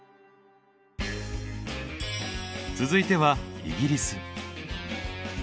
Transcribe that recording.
続いてはイギリス。